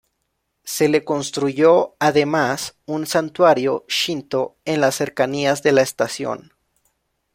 Se le construyó, además, un santuario shinto en las cercanías de la estación.